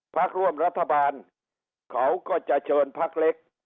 พักร่วมรัฐบาลเขาก็จะเชิญพักเล็ก